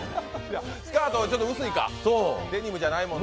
スカートちょっと薄いか、デニムじゃないもんな。